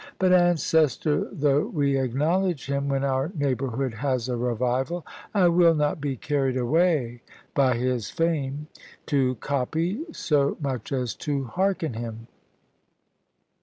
But ancestor though we acknowledge him (when our neighbourhood has a revival), I will not be carried away by his fame to copy, so much as to hearken him.